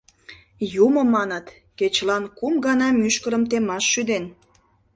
— Юмо, маныт, кечылан кум гана мӱшкырым темаш шӱден.